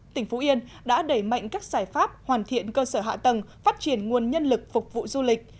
tỉnh phú yên đã đẩy mạnh các giải pháp hoàn thiện cơ sở hạ tầng phát triển nguồn nhân lực phục vụ du lịch